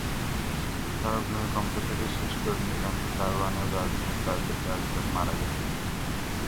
তবে ভূমিকম্প থেকে সৃষ্ট অগ্নিকাণ্ডে তাইওয়ানের রাজধানী তাইপেতে একজন মারা গেছেন।